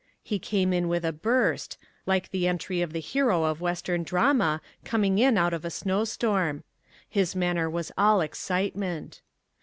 He came in with a burst, like the entry of the hero of western drama coming in out of a snowstorm. His manner was all excitement.